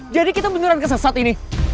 jadi kita beneran kesesat ini